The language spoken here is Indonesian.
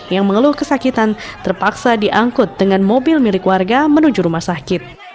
yang mengeluh kesakitan terpaksa diangkut dengan mobil milik warga menuju rumah sakit